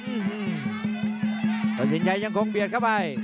อื้อฮือตัวสินชัยยังคงเบียดเข้าไป